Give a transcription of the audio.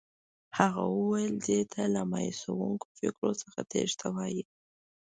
هغه وویل دې ته له مایوسوونکو فکرو څخه تېښته وایي.